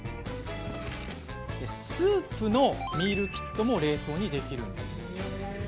スープのミールキットも冷凍にできます。